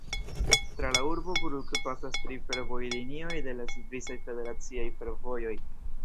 Tra la urbo Brugg pasas tri fervojlinioj de la Svisaj Federaciaj Fervojoj.